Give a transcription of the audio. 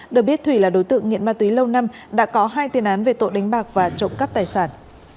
được biết thủy là đối tượng nghiện ma túy lâu năm đã có hai tiền án về tội đánh bạc và trộm cắp tài sản